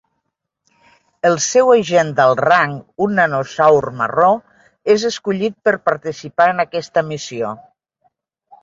El seu agent d'alt rang, un nanosaur marró, és escollit per participar en aquesta missió.